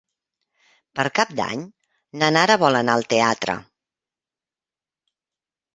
Per Cap d'Any na Nara vol anar al teatre.